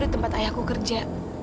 di tempat ayahku kerja